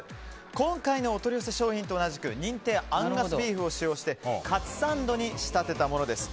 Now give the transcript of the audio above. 今回のお取り寄せ商品と同じく認定アンガスビーフを使用してカツサンドに仕立てたものです。